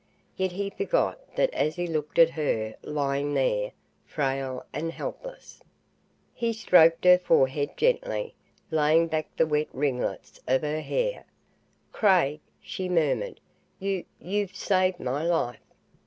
Yet he forgot that as he looked at her lying there, frail and helpless. He stroked her forehead gently, laying back the wet ringlets of her hair. "Craig," she murmured, "you you've saved my life!"